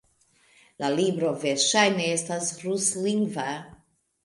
La libro verŝajne estas ruslingva.